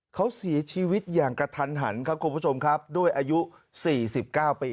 เขาสีชีวิตอย่างกระทันหันด้วยอายุ๔๙ปี